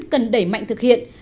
cần đẩy mạnh thực hiện